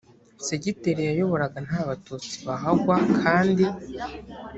segiteri yayoboraga nta batutsi bahagwa kandi